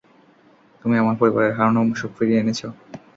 তুমি আমার পরিবারের হারানো সুখ ফিরিয়ে এনেছ।